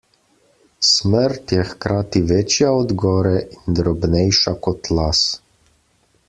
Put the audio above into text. Smrt je hkrati večja od gore in drobnejša kot las.